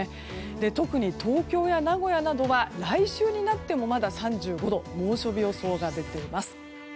特に、東京や名古屋では来週になってもまだ３５度猛暑日予想が出ています。